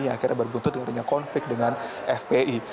yang akhirnya berbentuk dengan konflik dengan fpi